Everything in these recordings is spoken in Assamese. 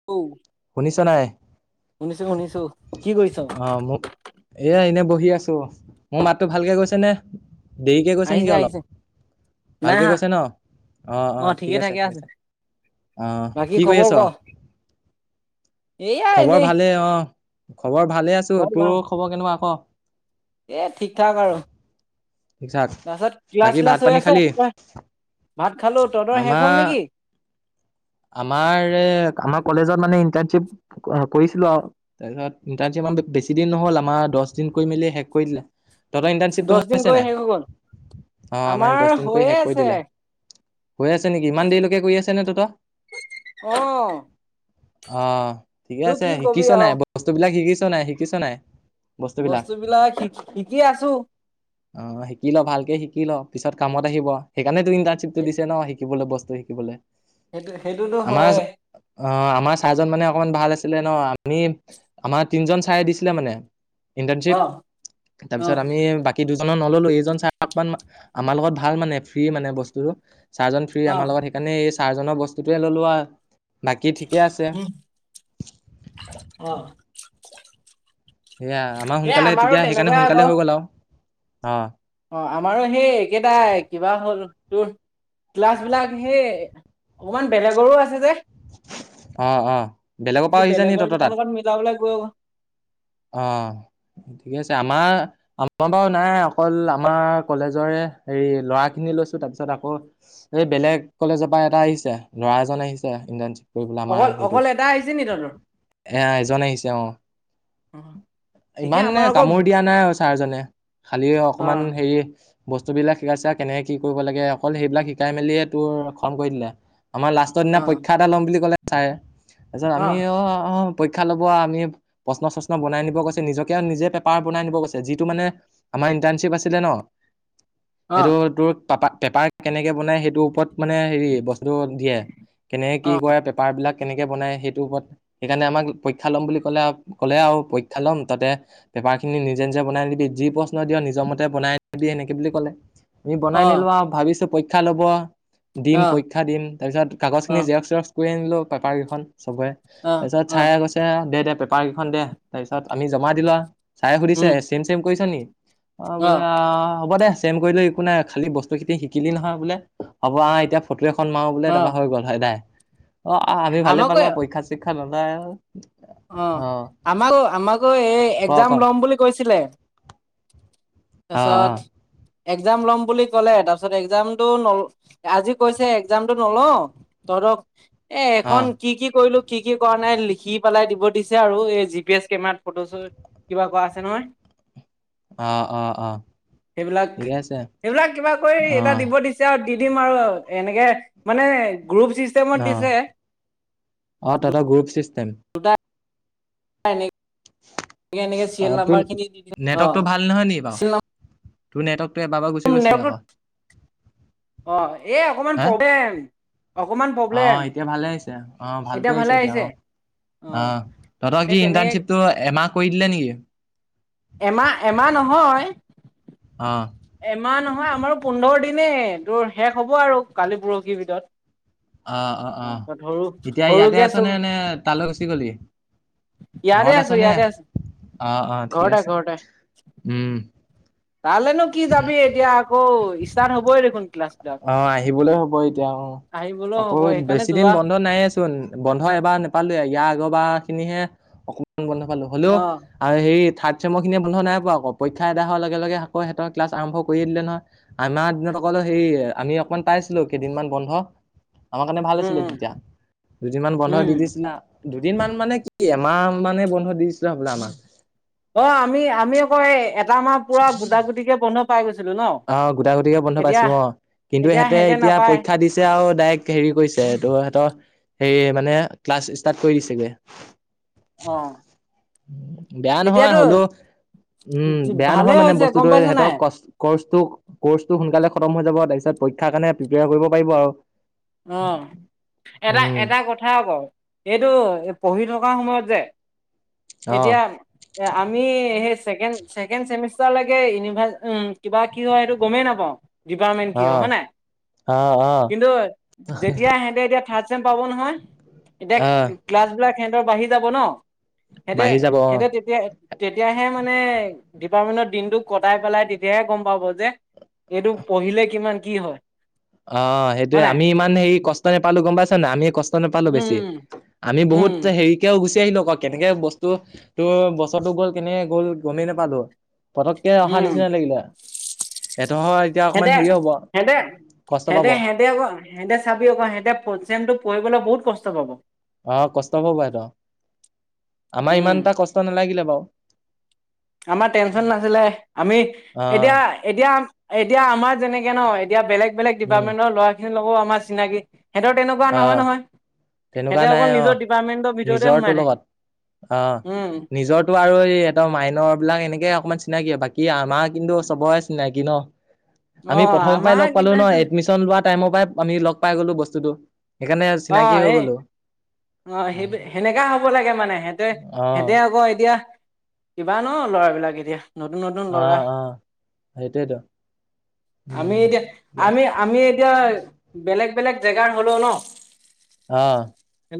[unintelligible] শুনিছা নাই? শুনিছো শুনিছো কি কৰিছ অ' মোক এ, এনে বহি আছোঁ, মোৰ মাতটো ভালকে গৈছে নে? দেৰিকে গৈছে আহিছে নেকি আহিছে অলপ। নাই ভালকে আহা কৈছে ন'? অ', অ', ঠিক আছে, ঠিক আছে। অ' বাকী কি কৰি খবৰ ক আছোঁ? এইয়া খবৰ এনেই ভালেই অ', খবৰ ভালে আছো। তোৰ খবৰ কেনেকুৱা ক? এই ঠিক ঠাক আৰু। ঠিক ঠাক। তাৰপিছত ক্লাচ বাকী ভাত শ্লাচ হৈ পানী আছে, খালি? তই ভাত খালো। তহতৰ শেষ আমাৰ হল নেকি? আমাৰ আমাৰ কলেজত মানে ইণ্টাৰ্শ্বিপ কৰিছিলো আও। তাৰপিছত ইণ্টাৰ্শ্বিপ আমাৰ বেছি দিন নহ'ল, আমাৰ দহ দিন কৰি মেলি শেষ কৰি দিলে। তহতৰ ইটাৰশ্বিপটো দহ দিন হৈছে কৰি নাই? শেষ হৈ গ'ল অ' আমাৰ দহ দিন কৰি হৈয়ে শেষ কৰি আছে দিলে। হৈ আছে নেকি ইমান দেৰিলৈকে কৰি আছে ন তহতৰ। অ'হ। অ' ঠিকে আছে কবি শিকিছ নে, আৰু বস্তু বিলাক শিকিছ নাই শিকিছ নাই? বস্তুবিলাক বস্তু বিলাক শিক শিকি আছো। অ' শিকি ল ভালকে শিকি ল পিছত কামত আহিব। সেইকাৰণেতো ইটাৰশ্বিপটো দিছে ন। শিকিবলৈ বস্তু শিকিবলে। সেইটো সেইটোতো হয়য়ে। অ' আমাৰ ছাৰজন মানে অকমান ভাল আছিলে ন, আমি আমাৰ তিনজন ছাৰে দিছিলে মানে। অ ইটাৰশ্বিপ অ তাৰপিছত আমি বাক কী দুজনৰ নল'লো, এইজন ছাৰ আমাৰ লগত ভাল মানে ফ্ৰী মানে বস্তুটো। ছাৰজন ফ্ৰী অ আমাৰ লগত সেইকাৰণে এই ছাৰজন বস্তুটোয়ে ললো আও, বাকী ঠিকে আছে। অহ'। সেয়া আমাৰ সোনকালে তেতিয়া সেইকাৰণে সোনকালে হৈ গ'ল আও। অ'! অ' আমাৰো সেই একেটাই কিবা হ'ল তোৰ ক্লাছবিলাক সেই অকমান বেলেগৰো আছে যে। আহ অহ, বেলেগৰ সেই পৰাও আহিছে নি তহঁতৰ কেইটাৰ তাত? লগত মিলাবলৈ গৈ অ' ঠিকে আছে। আমাৰ [unintelligible] নাই অকল আমাৰ কলেজৰে হেৰি ল'ৰা খিনি লৈছো তাৰপিছত আকৌ এই বেলেগ কলেজৰ পৰা এটা আহিছে ল'ৰা এজন আহিছে ই কৰিবলে আমাৰ অকল অকল এটা আহিছে নি তহঁতৰ হেইটোত এ-এজন আহিছে অ। অ ঠিকে ইমানে আমাৰ আকৌ কামোৰ দিয়া নাই আৰু ছাৰজনে খালি অ অকমান হেৰি বস্তু বিলাক শিকাইছে, কেনেকে কি কৰিব লাগে অকল সেইবিলাক শিকাই মেলিয়ে তোৰ খ কৰি দিলে আমাৰ লাষ্ট ষ্টৰ দিনা অ পৰীক্ষা এটা লম বুলি ক'লে ছাৰে, তাৰপিছত অ আমি অ' পৰীক্ষা লব আৰু আমি প্ৰশ্ন চশ্ন বনাই নিব কৈছে, নিজকে নিজে পেপাৰ বনাই নিব কৈছে। যিটো মানে আমাৰ ইটাৰশ্বিপ আছিলে ন। অ অ সেইটো তোৰ পাপা পেপাৰ কেনেকে বনাই সেইটোৰ ওপৰত মানে হেৰি বস্তু দিয়ে। কেনে অ কি কৰে পেপাৰবিলাক কেনেকে বনায় সেইটোৰ ওপৰত সেইকাৰণে আমাক পৰীক্ষা ল'ম বুলি ক'লে ক'লে আৰু পৰীক্ষা ল'ম তাতে পেপাৰ খিনি নিজে নিজে বনাই লবি যি প্ৰশ্ন দিয় নিজৰ মতে বনাই নিবি সেনেকে বুলি কলে। আমি বনাই নিলো আও, ভাবিছো পৰীক্ষা লব অ দিম পৰীক্ষা দিম। তাৰ পিছত কাগজ অ খিনি জেৰক্স-চেৰক্স কৰি আনিলো পেপাৰ কেইখন চবৰে তাৰ পিছত অ অ ছাৰে কৈছে দে পেপাৰ কেইখন দে তাৰপিছত আমি জমা দিলো আও ছাৰে সুধিছে উম চেম চেম কৰিছ নি? অ' বোলে অ হ'ব দে। চেম কৰিলেও একো নাই। খালি বস্তু খিনি শিকিলি নহয় বোলে হ'ব আহ এতিয়া ফটো এখন মাৰো বোলে অ তাৰপা হৈ গ'ল। সদায়, অ' আমি ভালে আমাকো পালো আৰু পৰীক্ষা চৰীক্ষা নলয় আও। অ' আমাকো আমাকো এই ক একজাম ক লম বুলি কৈছিলে। অ তাৰপিছত একজাম লম বুলি ক'লে, তাৰপিছত একজামটো ন আজি কৈছে একজামটো নলও, তহঁতক এ অ এখন কি কি কৰিলো। কি কি কৰা নাই লিখি পেলাই দিব দিছে আৰু এ জি পি এচ কেমেৰাত ফটো চটো কিবা কৰাইছে নহয় অ' অ' অ'। সেইবিলাক, ঠিকে আছে সেইবিলাক কিবা কৰি অ এটা দিব দিছে। আও দি দিম আও এনেকে মানে গ্ৰুপ চি অহ। অঁ তঁহতৰ গ্ৰুপ ছিষ্টেম। এ [unintelligible] এনেকে এনেকে অ চিয়েল তোৰ নাম্বাৰ খিনি দিব নেটৱৰ্কটো অ' ভাল নহয় নি বাৰু চি তোৰ নেটৱক টো এবাৰ বাৰ গুচি গৈছিলে আক' অ' এ অকমান প্ৰব্লেম। অকমান প্ৰব্লেম অঁ এতিয়া ভালে আহিছে, অঁহ ভালকে আহিছে এতিয়া অঁহ অ অঁ, তহঁতৰ সেই কি তেনেকে ইণ্টাৰণশ্বিপটো এমাহ কৰি দিলে নেকি? এমাহ এমাহ নহয়। অঁ। এমাহ নহয় আমাৰো পোন্ধৰ দিনেই, তোৰ শেষ হ'ব আৰু কালি পৰহিৰ ভিতৰত। অ' অ' অ' তাৰপিছত সৰু এতিয়া ইয়াতে সৰুকে চব আছনে নে তালৈ গুচি গলি? ইয়াতে আছো ইয়াতে আছো। অঁ অঁ ঠিক ঘৰতে আছে, উম। তাৰলেনো কি যাবি এতিয়া আকৌ, ষ্টাৰ্ট হ'বই দেখোন। ক্লাছ বিলাক। অঁ আহিবলৈ হ'ব এতিয়া অঁ, আহিবলৈও আকৌ হ'ব সেইকাৰণে বেছি দিন যোৱা বন্ধ নায়ে চোন। বন্ধ এবাৰ নাপালোয়ে ইয়াৰ আগৰ বাৰ খিনিহে অকমান বন্ধ পালো। হ'লেও অ আৰু সেই থাৰ্ড চেমৰ খিয়ে বন্ধ নাই পোৱা আক' পৰি ক্ষা এৰাই হোৱা লগে লগে আকৌ সেহঁত ক্লাচ আৰম্ভ কৰিয়ে দিলে নহয়। আমাৰ দিনত অকল অ হেৰি আমি অকমান পাইছিলো, কেইদিনমান বন্ধ। আমাৰ কাৰণে ভাল উম আছিলে উম তেতিয়া, দুদিনমান বন্ধ উম। দি দিছিলে। দুদিন মন মানে কি, এমাহ মানে বন্ধ দিছিলে হ'বলা আমাক অ' আমি আমি আকৌ এই এটা মাহ পুৰা গোটা গুটিকে বন্ধ পাই গৈছিলো ন'? অঁ গোট গুটিকে বন্ধ এতিয়া পাইছো অঁ, কিন্তু হেঁতে সিহঁতে এতিয়া নাপায় পৰীক্ষা দিছে আও ডাইৰেক্ট হেৰি কৰিছে একো হেঁতৰ সেইয়ে মানে ক্লাছ ষ্টাৰ্ট কৰি দিছেগে। অঁ। বেয়া নহয় হ'লেও, উম বেয়া ভালে নহয় মানে হৈছে গম বস্তুটো পাইছ হেঁতক নাই কষ্ কৰ্চটো কৰ্চটো সোনকালে খতম হৈ যাব, তাপিছত পৰীক্ষাৰ কাৰণে প্ৰিপেয়াৰ কৰিব পাৰিব আৰু অঁ এটা উম এটা কথা আক' এইটো পঢ়ি থকা সময়ত যে অ এতিয়া এ আমি সেই ছেকেন ছেকেণ্ড চেমিষ্টাৰলৈকে ইউভাৰ ওম, কিবা কি হয় সেইটো গ'মেই নাপাওঁ। ডিপাৰ্টমেণ্ট কি অ হয়, হয় নাই? অ অ কিন্তু যেতিয়া হেঁতে এতিয়া থাৰ্ ছেম পাব নহয় এতিয়া অ ক্লাছ বিলাক সিহঁতৰ বাঢ়ি যাব ন' হেঁতে বাঢ়ি যাব অ হেঁতে তেতিয়া তেতিয়াহে মানে ডিপাৰ্টমেন্টৰ দিনটো কটাই পেলাই তেতিয়াহে গ'ম পাব যে এইটো পঢ়িলে কিমান কি হয় অ' হয় সেইটোয়ে নাই আমি ইমান হেৰি কষ্ট নাপালো গ'ম পাইছা নাই, আমিে কষ্ট নেপালো বেছি। উম আমি উম বহুত' হেৰি কেও গুচি আহিলো আকৌ কেনেকে বস্তু তোৰ বছৰো গ'ল কেনেকে গ'ল গমেই নেপালো। পতককে অহা উম নিচিনা লাগিলে, এদখৰ এতিয়া অকমান হেৰি হ'ব। হেঁতে কষ্ট পাব হেঁতে হেঁতে আক' হেঁতে চাবি আক হেঁতে ফৰ্থ চেমটো পঢ়িবলে বহুত কষ্ট পাব। অ কষ্ট পাব এত, আমাৰ উম ইমান এটা কষ্ট নালাগিলে বাৰু, আমাৰ টেনচন নাছিলে, আমি আহ এতিয়া- এতিয়া এতিয়া আমাৰ যেনেকে ন, এতিয়া বেলেগ বেলেগ উম ডিপাৰ্টমেণ্টৰ ল'ৰা খিনিৰ লগতও আমাৰ চিনাকি। সিহঁতৰ তেনেকুৱা নহয় আহ নহয়। তেনেকুৱা সিহঁতে নাই অকল নিজৰ ডিপাৰ্টমেন্টৰ অ' ভিতৰতে নিজৰ টো সোমাই থাকে লগত অ উম নিজৰ- তো আৰু এইহতৰ মাইনৰ বিলাক এনেকে অকমান চিনাকি, বাকী আমাৰ কিন্তু চবৰে চিনাকি ন। [inaudible] আমি প্ৰথমৰ পৰাই আমাৰ লগ পালো ন, কিতাহতো এডমিশন লোৱা টাইমৰ পৰাই আমি লগ পাই গলো, বস্তুটো সেইকাৰণে অ চিনাকি। কি হৈ এই গ'লো। অ সেই সেনেকা হ'ব লাগে মানে, সিহঁতে অ সিহঁতে আকৌ এতিয়া- কিবা ন ল'ৰাবিলাক এতিয়া। নতুন নতুন ল'ৰা অ', অ', সেইটোয়েতো আমি উম, এতিয়া ঠিকে আছে। আমি আমি এতিয়া বেলেগ বেলেগ জেগাৰ হ'লো ন। অ'। হ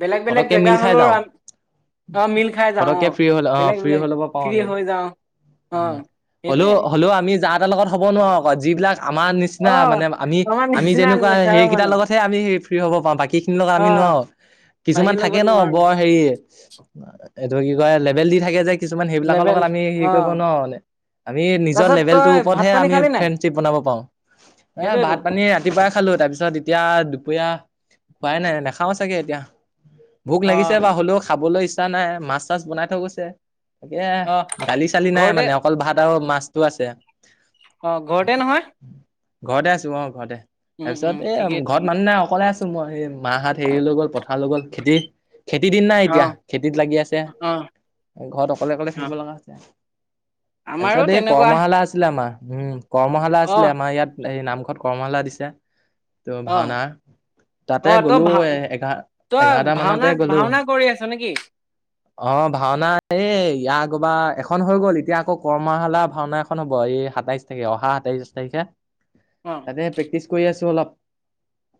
বেলেগ বেলেগ পতককে জেগা মিল খাই হ'লেও যাওঁ, আ অ মিল খাই যাওঁ অ পতককে ফ্ৰী হ'ল বেলেগ বেলেগ ফ্ৰী হৈ যাওঁ। অ উ সেইটোৱে হ'লেও হ'লেও আমি যা তাৰ লগত হ'ব নোৱাৰো আক যিবিলাক আমাৰ নিচিনা অ নিচিনা মানে আমি আমাৰ আমি নিচিনা যেনেকুৱা নেচাৰৰ সেইকেইটাৰ মানুহ লগতহে আমি ফ্ৰী হ'ব পাৰো, বাকী খিনিৰ লগত অ আমি নোৱাৰো। কিছুমান বাকীৰ থাকে লগত ন নোৱাৰো বৰ হেৰি এইটো কি কয়, লেবেল দি থাকে যে? কিছুমান সেইবিলাকৰ লেবেল লগত আমি হেৰি অ কৰিব নোৱাৰোঁ মানে। আমি নিজৰ তাৰপিছত লেভেলটোৰ তই ভাত ওপৰতহে পানী আমি খালি নাই ফ্ৰেণ্ডশ্বিপ বনাব পাৰো। সেইটোৱেতো ভাত পানী ৰাতিপুৱাই খালো, তাৰপিছত এতিয়া দুপৰীয়া খোৱাই নাই নাখাও চাগে এতিয়া। ভোক অ লাগিছে বা হ'লেও খাবলৈ ইচ্ছা নাই, মাছ চাছ বনাই থৈ গৈছে। তাকে অ দালি-চালি নাই ঘৰতে মানে অকল ভাত আৰু মাছটো আছে। অ ঘৰতে নহয়? ঘৰতে আছো অ ঘৰতে, উম তাৰ উম পিছত এ ঠিকেই ঘৰত ঠিকেই মানুহ নাই অকলে আছো। মই মা হত হেৰি লৈ গ'ল পথাৰ ল গ'ল খেতি। খেতিৰ দিন না অ এতিয়া খেতিত লাগি আছে। অ ঘৰত অকলে অকলে অ থাকিব লগা হৈছে। আমাৰো তাৰপিছত এই তেনেকুৱা কৰ্মশালা আছিলে আমাৰ, উম কৰ্মশালা অ আছিলে আমাৰ ইয়াত। এই নামঘৰত কৰ্মশালা দিছে ত অ ভাওনা অ তাতে তই গ'লো ভা এ এঘাৰ তই এঘাৰটা ভাওনা মানতে গ'লো ভাওনা কৰি আছ নেকি? অ ভাওনা এই ইয়াৰ আগৰবাৰ এখন হৈ গ'ল। এতিয়া আকৌ কৰ্মশালা ভাওনা এখন হ'ব এই সাতাইশ তাকে অহা স তেইছ তাৰিখে অহ'। এ প্ৰেক্টিছ কৰি আছোঁ অলপ।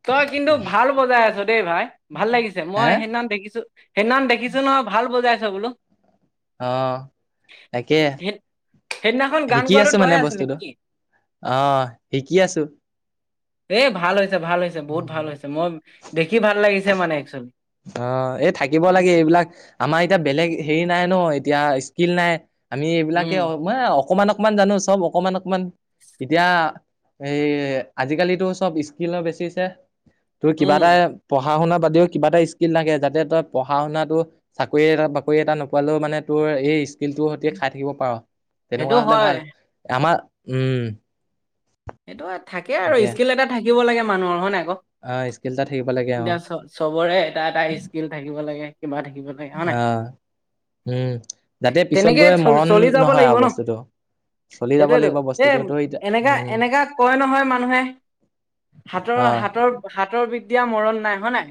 তই কিন্তু ভাল বজাই আছ দেই ভাই ভাল লাগিছে, মই হে সেইদিনা দেখিছো। সেইদিনাখন দেখিছো নহয়। ভাল বজাইছ বোলো। অ তাকে। সেইদিনাখন গান শিকি গোৱাটো আছো তই মানে আছিলি বস্তুটো নেকি? আহ শিকি আছো। এ ভাল হৈছে ভাল হৈছে বহুত ভাল হৈছে, মই দেখি ভাল লাগিছে মানে একচোৱেলি। অ এই থাকিব লাগে এইবিলাক, আমাৰ এতিয়া বেলেগ হেৰি নাই ন এতিয়া স্কিল নাই। আমি এইবিলাকে উম অ মান অকমান অকমান জানো চব অকমান অকমান এতিয়া এই আজিকালিতো চব স্কিলৰ বেচিছ হে তোৰ কিবা এটা উম পঢ়া-শুনা বাদেও কিবা এটা স্কিল লাগে, যাতে তই পঢ়া-শুনাটো চাকৰি এ বাকৰি এটা নোপোৱালেও মানে তোৰ এই স্কিলটোৰ সৈতি খাই থাকিব পাৰোঁ, সেইটো তেনেকুৱা হ'লে হয় ভাল, আমাৰ উম। সেইটো থাকে আৰু ইস্কিল এটা থাকিব লাগে মানুহৰ হয় নাই ক'? অ' ইস্কিল এটা থাকিব লাগে আৰু। চবৰে এটা এটা ইস্কিল থাকিব লাগে, কিবা থাকিব লাগে। হয় নাই আহ, উম, যাতে পিছত তেনেকে গৈ চল মৰণ চলি যাব নহয় লাগিব আৰু ন বস্তুটো। চলি যাব সেইটোয়েতো লাগিব এ বস্তুটো ধৰ এতিয়া এনেকা উম। এনেকা কয় নহয় মানুহে, হাতৰ অ হাতৰ হাতৰ বিদ্যা মৰণ নাই হয় নাই।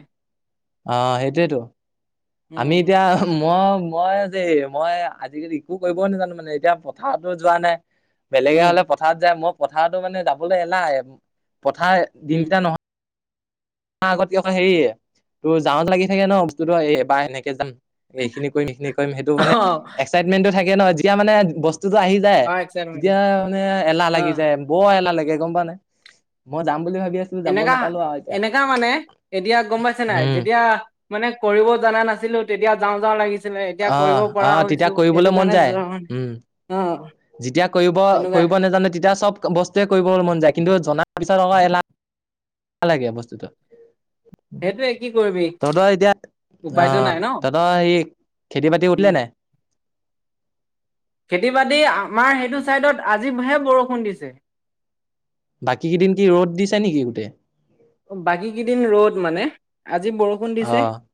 অ' সেইটোৱেটো, আমি উম এতিয়া মই মই দেই মই আজিকালি একো কৰিবই নাজানো মানে এতিয়া পথাৰতো যোৱা নাই, বেলেগে উম হ'লে পথ পথাৰত যায় মই পথাৰতো মানে যাবলৈ এলাহ, পথাৰ উম দিনকেইটা নহয় আগত কি অ' হেৰিয়ে তোৰ যাওঁত লাগি থাগে ন' বস্তুটো এইবাৰ এনেকে যাম। এইখিনি কৰিম এইখিনি কৰিম সেইটো মানে এক্সাইটমেন্টটো থাকে নহয় যেতিয়া মানে বচ [unintelligible] আহি যায় অ এক্সাইটমেণ্ট তেতিয়া মানে এলাহ অ লাগি যায়। বৰ এলা লাগে গম পোৱা নাই, মই যাম বুলি ভাবি আছোঁ। এনেকা, এনেকা মানে এতিয়া গম পাইছে নাই, উম যেতিয়া মানে কৰিব জাননা নাছিলোঁ তেতিয়া যাওঁ যাওঁ লাগিছ ছিলে এতিয়া কৰিব আহ পৰা আহ তেতিয়া হৈছোঁ সেইটো কৰিবলৈ মন কাৰণে যায় [unintelligible] উম অ'। যেতিয়া কৰিব তেনেকুৱাই কৰিব নাজানে তেতিয়া চব বস্তুৱে কৰিবলৈ মন যায় কিন্তু জনাৰ পিছত আকৌ এলাহ লাগে বস্তুটো। সেইটোৱে কি কৰিবি তহঁতৰ এতিয়া, উপায়তো অ' নাই ন তহঁতৰ এই খেতি বাতি উম উঠিলে নাই। খেতি বাতি আমাৰ সেইটো চাইডত আজিবহে বৰষুণ দিছে। বাকী কেইদিন কি ৰ'দ দিছে নেকি গোটেই। বাকী কেইদিন ৰ'দ মানে, আজি বৰষ অ',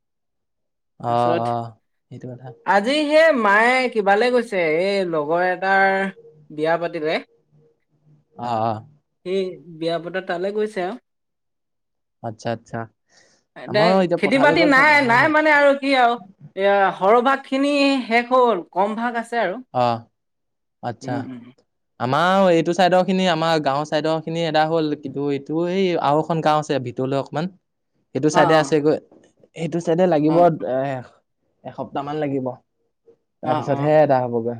অ', তাৰছত অ', সেইটো কথা। আজি সেই মায়ে কিবালৈ গৈছে এই লগৰ এটাৰ, বিয়া পাতিলে। [inaudible] অ', অ'। সেই বিয়া বতা তালৈ গৈছে আৰু। আচ্ছা, আচ্ছা। আমাৰো [unintelligible] এতিয়া খেতি পথাৰলৈ বাতি গ'ল চব নাই, অহাই নাই মানে আৰু কি আৰু। এয়া সৰহভাগ খিনি শেষ হ'ল, কম ভাগ আছে আৰু। অ' আচ্ছা। উম উম আমাৰ এইটো চাইডৰ খিনি আমাৰ গাঁওৰ চাইডৰ খিনি এটা হ'ল কিন্তু এইটো এই আৰু এখন গাওঁ আছে দূৰলৈ অকমান, সেইটো অ চাইডে আছে গৈ, সেইটো চাইডে অ অ লাগিব এ এসপ্তাহ মান লাগিব, অ তাৰ অ পিছতহে এটা হ'বগৈ।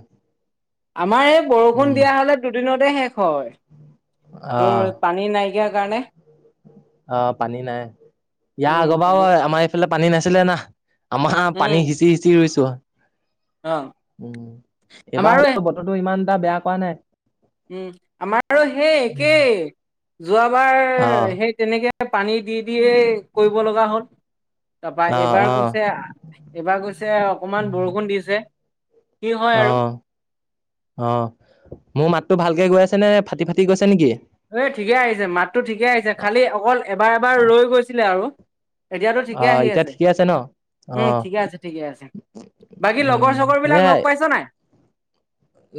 আমাৰ এই বৰষুণ উম, দিয়া হ'লে দুদিনতে শেষ হয়, অ', তোৰ পানী নাইকিয়া কাৰণে। অ' পানী নাই, ইয়াৰ উম আগ বাৰও পানী আমাৰ এইফালে পানী নাছিলে না। আমাৰ পানী উম সিঁচি সিঁচি ৰুৈছোঁ। অ উ, ম এবাৰ আমাৰো হ'লেও বতৰটো ইমান এটা বেয়া কৰা নাই। উম, আমাৰ সেই একেই, যোৱাবাৰ অ', সেই তেনেকে পানী দি দিয়ে কৰিব লগা হ'ল। তাৰপৰা অ', এইবাৰ অ', কৈছে, এইবাৰ কৈছে অকনমান বৰষুণ দিছে। কি হয় আৰু? অঁ মোৰ মাতটো ভালকে গৈ আছে নে ফাটি ফাটি গৈছে নেকি। এই ঠিকে আহিছে মাততো ঠিকে আহিছে, খালি অকল এবাৰ এবাৰ ৰৈ গৈছিলে আৰু। এতিয়াতো ঠিকে অ', আহি এতিয়া আছে। ঠিকে ন? উম' অ', ঠিকে আছে ঠিকে আছে, বাকী লগৰ উম, চগৰ বিলাক লগ সেয়াই পাইছ নাই?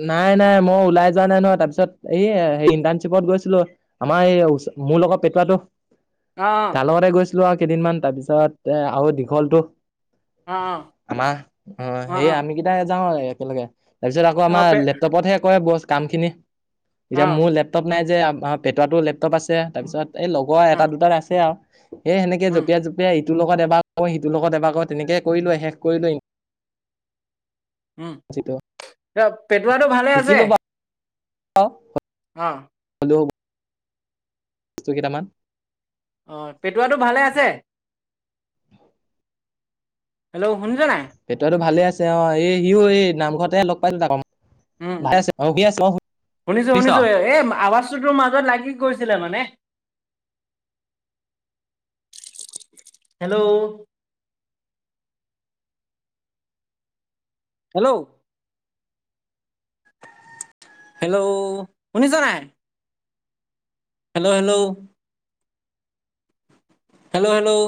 নাই নাই মই ওলাই যোৱা নাই নহয় তাপিছত, সেইয়া সেই ইণ্টাৰ্ণশ্বিপত গৈছিলো। আমাৰ এই ওচ মোৰ লগত পেটোৱাটো- অ তা লগতে গৈছিলো আও কেইদিনমান তাৰপিছত এ আৰু দীঘলতটো- অ আমা অঁ অ অ সেই আমি অ কেইটা যাওঁ আৰু একেলগে তাৰপিছত, - আকৌ অ আমাৰ পে লেপটপতহে কৰে বস কামখিনি। অ এতিয়া মোৰ লেপটপ নাই যে পেটোৱাটো লেপটপ আছে, তাৰপিছত এই লগৰ অ এটা দুটাৰ আছে আও। এই সেনেকে উম জঁপিয়াই জঁপিয়াই ইটোৰ লগত এবাৰ ক সিটোৰ লগত এবাৰ ক তেনেকে কৰিলোৱে শেষ কৰিলোৱেই। উম' এ পেটৱাটো ভালে আছে। অ' অঁ' হেল্লৌ' বস্তু কেইটামান। অঁ পেটুৱাটো ভালে আছে। হেল্লৌ' শুনিছ নাই? পেটোৱাতো ভালে আছে অঁ' এই সিও এই নামঘৰতে লগ পাইছিলো তাক। উম' ভালে আছে অ শুই আছে অ শুনিছো শুনিছ শুনিছো, এই আৱাজটো তোৰ মাজত লাগি গৈছিলে মানে। হেল্লৌ' হেল্লৌ' হেল্লৌ' শুনিছ নাই? Hello hello hello hello